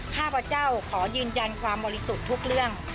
ข้าพเจ้าขอยืนยันความบริสุทธิ์ทุกเรื่อง